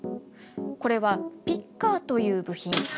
これは「ピッカー」という部品。